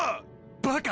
バカ！